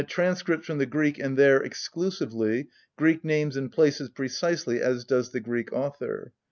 transcript from the Greek and there exclusively — Greek names and places precisely as does the Greek author.